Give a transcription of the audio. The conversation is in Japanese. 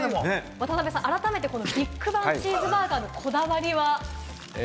渡邊さん、改めてビッグバンチーズバーガーのこだわりは？